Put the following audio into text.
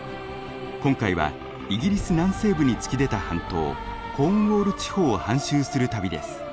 今回はイギリス南西部に突き出た半島コーンウォール地方を半周する旅です。